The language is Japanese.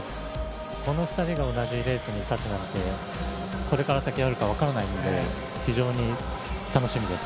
この２人が同じレースに立つなんて、これから先あるか分からないので、非常に楽しみです。